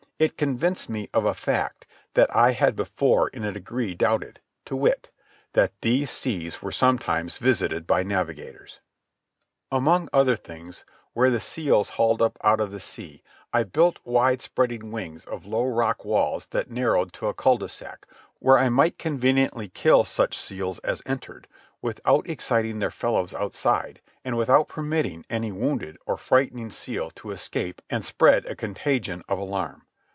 It convinced me of a fact that I had before in a degree doubted, to wit: that these seas were sometimes visited by navigators. Among other things, where the seals hauled up out of the sea, I built wide spreading wings of low rock walls that narrowed to a cul de sac, where I might conveniently kill such seals as entered without exciting their fellows outside and without permitting any wounded or frightening seal to escape and spread a contagion of alarm.